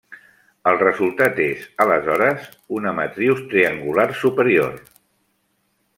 El resultat és, aleshores, una matriu triangular superior.